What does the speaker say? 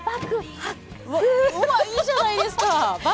いいじゃないですか。